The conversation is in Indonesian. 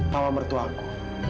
tawa mertua aku